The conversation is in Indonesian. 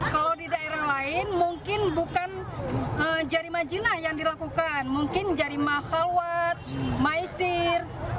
kalau di daerah lain mungkin bukan jarima jinah yang dilakukan mungkin jarima halwat maisir